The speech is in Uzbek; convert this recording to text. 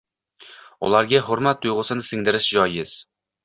Ularga hurmat tuygʻusini singdirish joiz